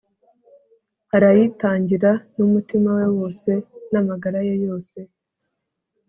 arayitangira n'umutima we wose n'amagara ye yose